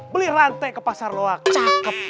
beli rantai ke pasar loak cakep